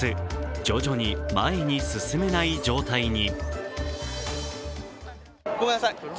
徐々に前に進めない状態に。